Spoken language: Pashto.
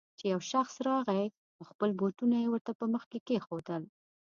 چې يو شخص راغی او خپل بوټونه يې ورته په مخ کې کېښودل.